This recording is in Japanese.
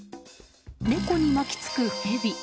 猫に巻き付くヘビ。